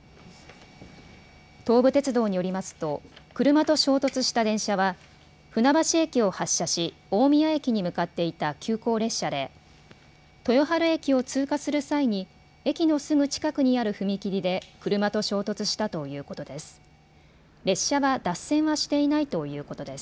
東武鉄道によりますと車と衝突した電車は船橋駅を発車し、大宮駅に向かっていた急行列車で豊春駅を通過する際に駅のすぐ近くにある踏切で車と衝突したということです。